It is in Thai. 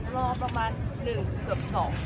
รอประมาณ๑๒ชั่วโมง